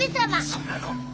そうなの。